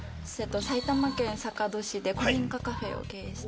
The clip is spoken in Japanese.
埼玉県坂戸市で古民家カフェを経営しています。